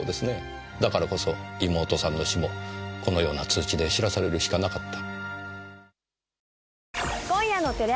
だからこそ妹さんの死もこのような通知で知らされるしかなかった。